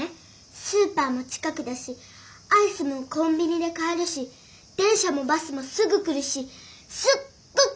スーパーも近くだしアイスもコンビニで買えるし電車もバスもすぐ来るしすっごくべんりなんだよ。